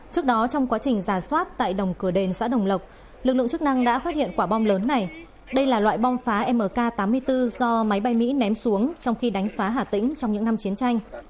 trước đó trong quá trình giả soát tại đồng cửa đền xã đồng lộc lực lượng chức năng đã phát hiện quả bom lớn này đây là loại bom phá mk tám mươi bốn do máy bay mỹ ném xuống trong khi đánh phá hà tĩnh trong những năm chiến tranh